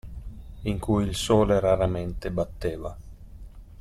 In cui il sole raramente batteva.